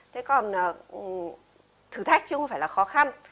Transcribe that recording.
thế còn thử thách chứ không phải là khó khăn